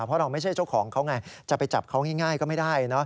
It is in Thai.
เพราะเราไม่ใช่เจ้าของเขาไงจะไปจับเขาง่ายก็ไม่ได้